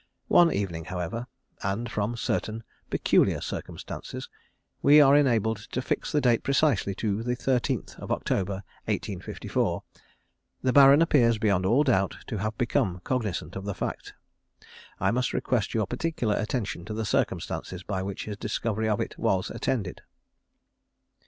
One evening, however, and from certain peculiar circumstances we are enabled to fix the date precisely to the 13th of October, 1854, the Baron appears beyond all doubt to have become cognisant of the fact. I must request your particular attention to the circumstances by which his discovery of it was attended.